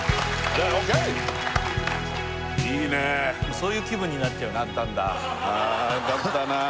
そういう気分になっちゃうなったんだああよかったなあ